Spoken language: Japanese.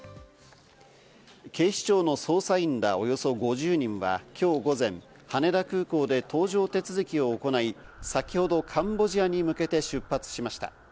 警視庁の捜査員らおよそ５０人は、きょう午前、羽田空港で搭乗手続きを行い、先ほどカンボジアに向けて出発しました。